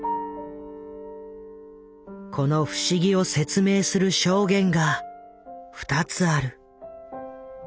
この不思議を説明する証言が２つある。